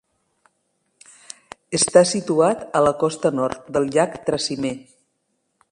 Està situat a la costa nord del llac Trasimè.